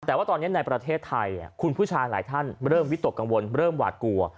แต่ว่าตอนนี้ในประเทศไทยคุณผู้ชายหลายท่านเริ่มวิตกกังวลเริ่มหวาดกลัว